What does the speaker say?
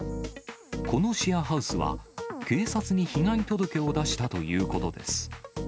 このシェアハウスは、警察に被害届を出したということです。